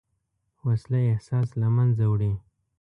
وسله احساس له منځه وړي